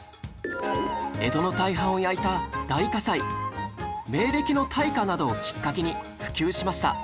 江戸の大半を焼いた大火災明暦の大火などをきっかけに普及しました